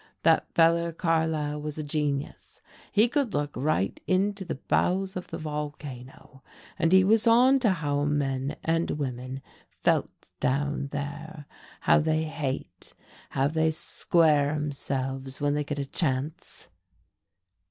That feller Carlyle was a genius, he could look right into the bowels of the volcano, and he was on to how men and women feet down there, how they hate, how they square 'emselves when they get a chance."